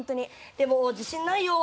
でも自信ないよ。